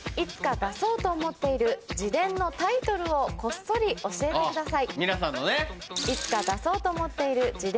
出そうとしている自伝のタイトルをこっそり教えてください。